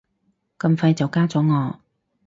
咁快就加咗我